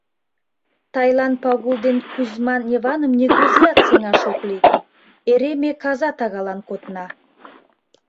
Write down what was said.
Тайлан Пагул ден Кузьман Йываным нигузеат сеҥаш ок лий: эре ме каза тагалан кодна.